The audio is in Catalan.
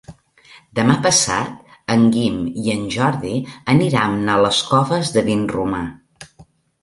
Demà passat en Guim i en Jordi aniran a les Coves de Vinromà.